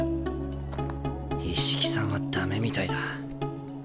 一色さんは駄目みたいだ。